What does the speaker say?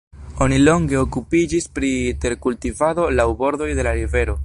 Oni longe okupiĝis pri terkultivado laŭ bordoj de la rivero.